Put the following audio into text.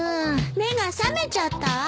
目が覚めちゃったわ。